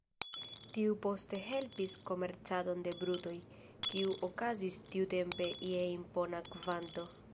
Tiu poste helpis komercadon de brutoj, kiu okazis tiutempe je impona kvanto.